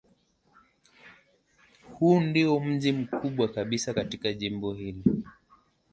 Huu ndiyo mji mkubwa kabisa katika jimbo hili.